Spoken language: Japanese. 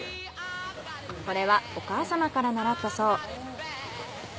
これはお母様から習ったそう。